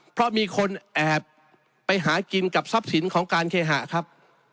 เพราะมีคนแอบไปหากินกับทรัพย์สินของการเคหะครับ